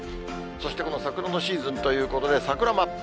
そして、この桜のシーズンということで、桜マップ。